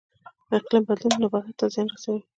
اقلیم بدلون نباتاتو ته زیان رسوي